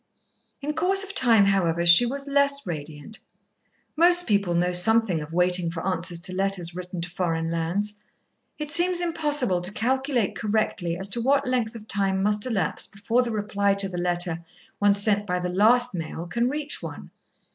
In course of time, however, she was less radiant. Most people know something of waiting for answers to letters written to foreign lands. It seems impossible to calculate correctly as to what length of time must elapse before the reply to the letter one sent by the last mail can reach one.